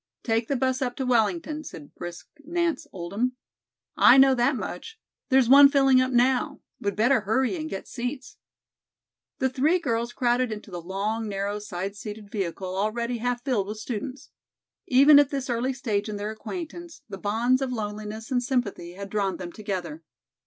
"Take the 'bus up to Wellington," said brisk Nance Oldham. "I know that much. There's one filling up now. We'd better hurry and get seats." The three girls crowded into the long, narrow side seated vehicle already half filled with students. Even at this early stage in their acquaintance, the bonds of loneliness and sympathy had drawn them together.